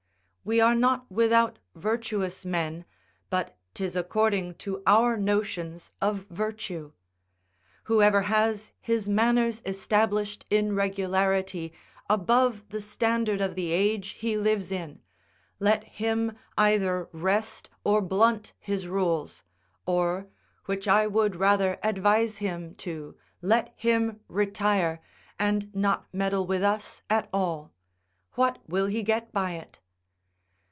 We are not without virtuous men, but 'tis according to our notions of virtue. Whoever has his manners established in regularity above the standard of the age he lives in, let him either wrest or blunt his rules, or, which I would rather advise him to, let him retire, and not meddle with us at all. What will he get by it?